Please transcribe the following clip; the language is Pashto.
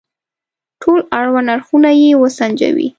ټول اړوند اړخونه يې وسنجوي.